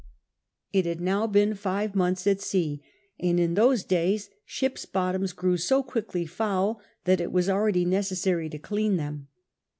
It had now been five months at sea, and in those days ships' bottoms grew so quickly foul that it was already necessary to clean them.